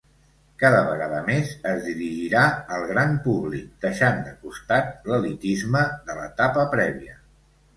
Cada vegada més es dirigirà al gran públic, deixant de costat l'elitisme de l'etapa prèvia.